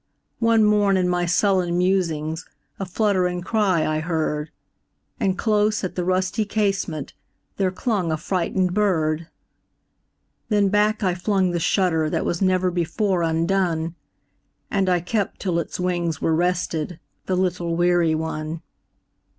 One morn, in my sullen musings,A flutter and cry I heard; And close at the rusty casementThere clung a frightened bird. Then back I flung the shutterThat was never before undone, And I kept till its wings were restedThe little weary one.